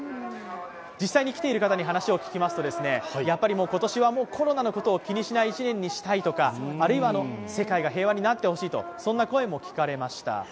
実際に来ている人の話を聞きますと今年はコロナを気にしない年にしたいとかあるいは、世界が平和になってほしいという声も聞かれました。